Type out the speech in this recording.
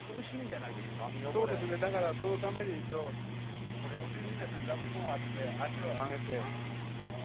そうですね、そのためにお尻に座布団を当てて足を上げて。